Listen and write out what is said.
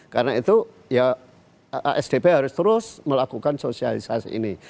karena itu ya asdp harus terus melakukan sosialisasi